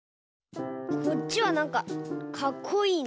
こっちはなんかかっこいいな！